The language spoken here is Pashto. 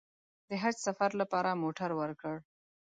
د حج سفر لپاره موټر ورکړ.